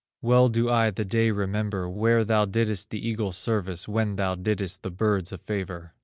Well do I the day remember Where thou didst the eagle service, When thou didst the birds a favor.